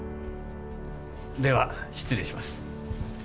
では失礼します。